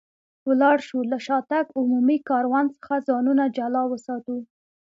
ولاړ شو، له شاتګ عمومي کاروان څخه ځانونه جلا وساتو.